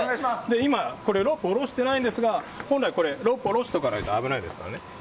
今、ロープを下ろしていないんですが本来、ロープを下ろしておかないと危ないですから。